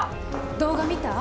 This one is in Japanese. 動画見た？